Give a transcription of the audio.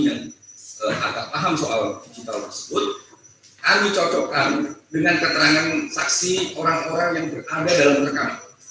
yang agak paham soal digital tersebut kami cocokkan dengan keterangan saksi orang orang yang berada dalam rekam